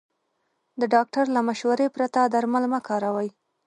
د ډاکټر له مشورې پرته درمل مه کاروئ.